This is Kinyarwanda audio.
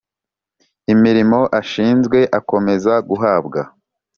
imirimo ashinzwe akomeza guhabwa